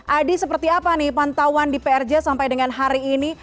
adi seperti apa nih pantauan di prj sampai dengan hari ini